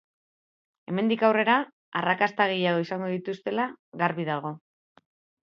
Hemendik aurrera arrakasta gehiago izango dituztela garbi dago.